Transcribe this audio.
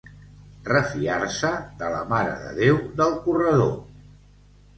Refiar-se de la Mare de Déu del Corredor.